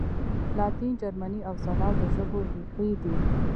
لاتین، جرمني او سلاو د ژبو ریښې دي.